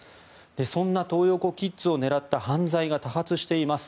そんなトー横キッズを狙った犯罪が多発しています。